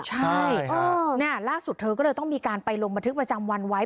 ใช่ล่าสุดเธอก็เลยต้องมีการไปลงบันทึกประจำวันไว้